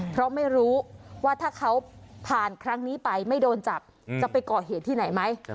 เพราะไม่รู้ว่าถ้าเขาผ่านครั้งนี้ไปไม่โดนจับจะไปก่อเหตุที่ไหนไหม